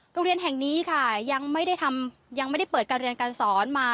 โรงเรียนแห่งนี้ค่ะยังไม่ได้เปิดการเรียนการสอนมา